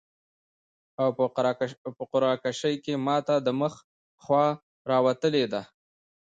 او په قرعه کشي کي ماته د مخ خوا راوتلي ده